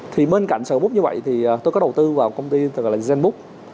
thì bên cạnh saigon books như vậy thì tôi có đầu tư vào một công ty tên là zenbook